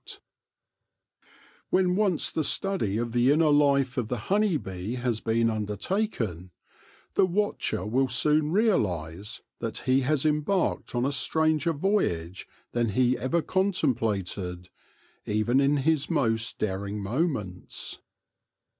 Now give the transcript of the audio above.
72 THE LORE OF THE HONEY BEE When once the study of the inner life of the honey bee has been undertaken, the watcher will soon realise that he has embarked on a stranger voyage than he ever contemplated, even in his most daring moments.